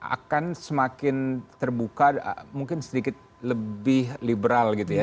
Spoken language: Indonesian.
akan semakin terbuka mungkin sedikit lebih liberal gitu ya